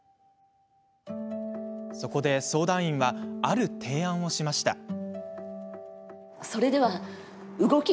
そこで相談員はある提案をしました。